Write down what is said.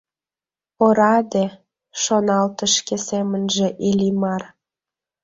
— Ораде! — шоналтыш шке семынже Иллимар.